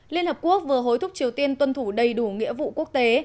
liên hợp quốc vừa hối thúc triều tiên tuân thủ đầy đủ nghĩa vụ quốc tế